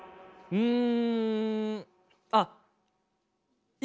うん！